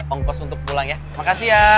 ongkos untuk pulang ya terima kasih ya